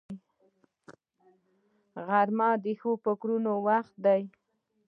غرمه د ښو فکرونو وخت دی